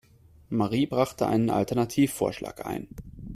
Marie brachte einen Alternativvorschlag ein.